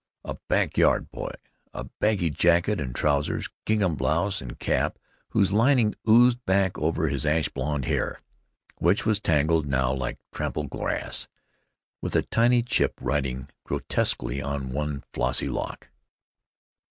A back yard boy, in baggy jacket and pants, gingham blouse, and cap whose lining oozed back over his ash blond hair, which was tangled now like trampled grass, with a tiny chip riding grotesquely on one flossy lock.